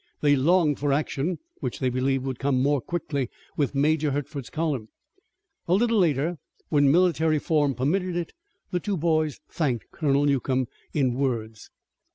They longed for action, which they believed would come more quickly with Major Hertford's column. A little later, when military form permitted it, the two boys thanked Colonel Newcomb in words.